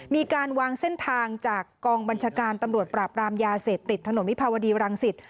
มีการวางเส้นทางจากกองบัญชาการตำรวจปราบรามยาเสพติดถนนวิภาวดีรังสิต